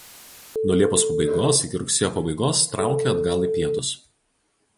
Nuo liepos pabaigos iki rugsėjo pabaigos traukia atgal į pietus.